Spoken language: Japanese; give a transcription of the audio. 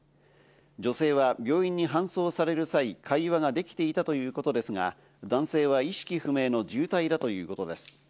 女性は病院に搬送される際、会話ができていたということですが、男性は意識不明の重体だということです。